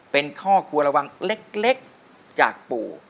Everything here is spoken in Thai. เป็นข้อควรระวังเล็กจากปู่